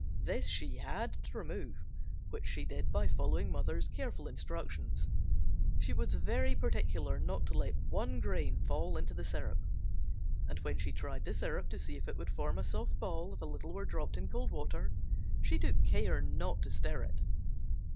This she had to remove, which she did by following mother's careful instructions. She was very particular not to let one grain fall into the syrup and when she tried the syrup to see if it would form a soft ball if a little were dropped in cold water she took care not to stir it.